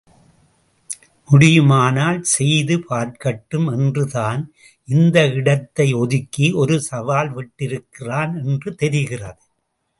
முடியுமானால் செய்து பார்க்கட்டும் என்றுதான் இந்த இடத்தை ஒதுக்கி ஒரு சவால் விட்டிருக்கிறான் என்று தெரிகிறது.